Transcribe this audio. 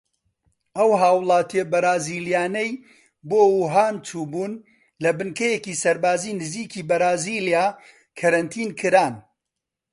ئەو هاوڵاتیە بەرازیلیانەی بۆ ووهان چوو بوون لە بنکەیەکی سەربازی نزیکی بەرازیلیا کەرەنتین کران.